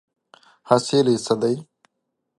حاصل یې څه دی ؟